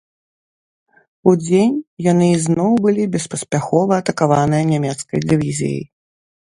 Удзень яны ізноў былі беспаспяхова атакаваныя нямецкай дывізіяй.